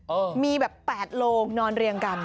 มีแบบแปดโลงนอนเรียงกัน